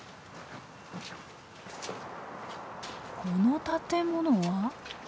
この建物は？